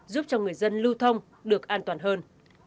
giúp cho người dân lưu thông được an toàn hơn